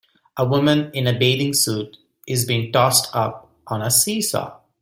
A woman in a bathing suit is being tossed up on a seesaw.